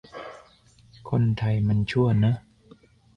คนไทยมันชั่วเนอะ